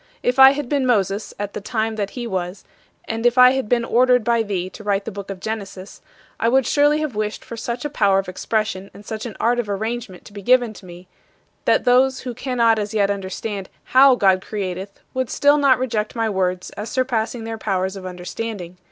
if I had been Moses at the time that he was, and if I had been ordered by thee to write the book of Genesis, I would surely have wished for such a power of expression and such an art of arrangement to be given me, that those who cannot as yet understand how God createth would still not reject my words as surpassing their powers of understanding.